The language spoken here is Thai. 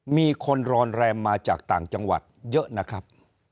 มีคนรอนแรมมาจากต่างจังหวัดเยอะนะครับ